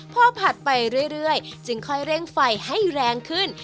พอผัดไปเรื่อยจึงค่อยเร่งไฟให้แรงขึ้น